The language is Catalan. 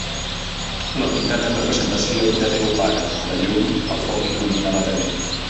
La unitat en representació de Déu Pare: la llum, el foc que il·lumina la tenebra.